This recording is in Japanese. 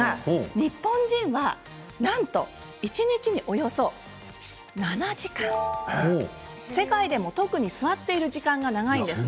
日本人は一日におよそ７時間世界でも特に座っている時間が長いんです。